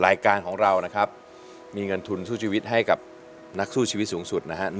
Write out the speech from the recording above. รายการของเรานะครับมีเงินทุนสู้ชีวิตให้กับนักสู้ชีวิตสูงสุดนะครับ